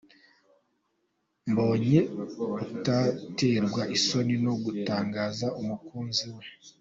Mbonyi utaterwa isoni no gutangaza umukunzi we.